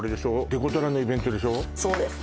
デコトラのイベントでしょそうです